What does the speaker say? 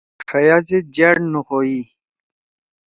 ڇھئیا زید جأڑ نُخوئی۔